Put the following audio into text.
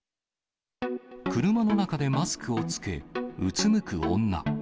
車の中でマスクを着け、うつむく女。